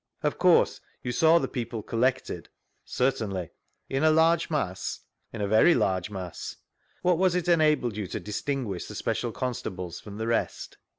Of course you saw the people collected ^ ^Certalnly. In a large mass?— In a very large mass. What was it enabled you to distinguish the special constables from the rest?